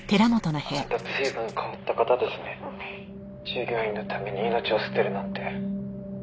「従業員のために命を捨てるなんて」